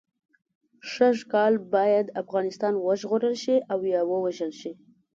سږ کال باید افغانستان وژغورل شي او یا ووژل شي.